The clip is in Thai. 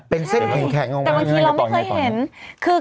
เป็นเส้นแข็งแข็งออกมาอย่างงั้นก็ต่ออย่างงั้นก็ต่ออย่างงั้นแต่บางทีเราไม่เคยเห็น